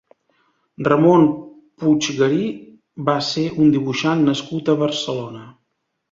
Ramon Puiggarí va ser un dibuixant nascut a Barcelona.